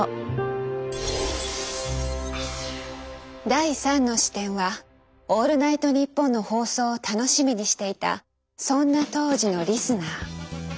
第３の視点は「オールナイトニッポン」の放送を楽しみにしていたそんな当時のリスナー。